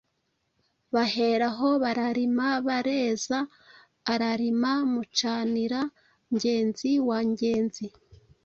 Bahera aho bararima bareza Ararima Mucaniira-ngezi wa Ngenzi,